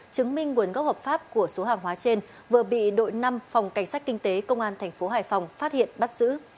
chứng minh nguồn gốc hợp pháp của số hàng hóa trên vừa bị đội năm phòng cảnh sát kinh tế công an thành phố hải phòng phát hiện bắt giữ